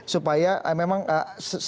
supaya memang selaras